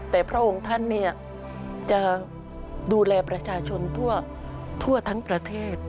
แต่พระองค์ท่านจะดูแลประชาชนทั่วทั้งประเทศ